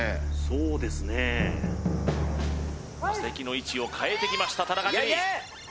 そうですね打席の位置を変えてきました田中樹・頑張れ！